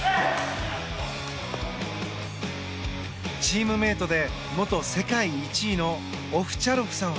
チームメートで元世界１位のオフチャロフさんは。